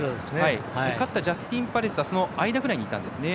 勝ったジャスティンパレスはその間ぐらいにいたんですね。